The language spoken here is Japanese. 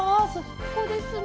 ここですね。